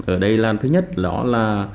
ở đây là thứ nhất đó là